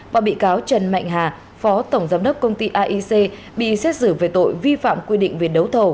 và bị cáo trần mạnh hà phó tổng giám đốc công ty aic bị xét xử về tội vi phạm quy định về đấu thầu